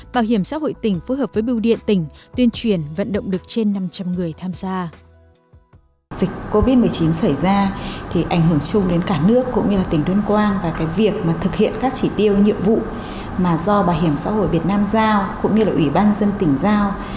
bảo hiểm xã hội tỉnh phối hợp với biêu điện tỉnh tuyên truyền vận động được trên năm trăm linh người tham gia